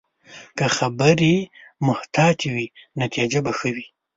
که خبرې محتاطې وي، نتیجه به ښه وي